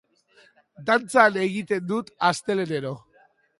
Dantzan egiten dut astelehenero.